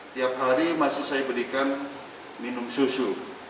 tiap hari masih saya berikan minum susu